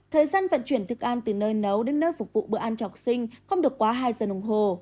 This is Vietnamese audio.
thời gian vận chuyển thức ăn từ nơi nấu đến nơi phục vụ bữa ăn cho học sinh không được quá hai giờ đồng hồ